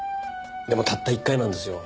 でもたった１回なんですよ。